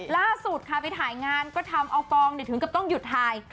ล่าสุดค่ะไปถ่ายงานก็ทำเอากองถึงกับต้องหยุดถ่าย